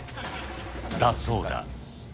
だそうだ。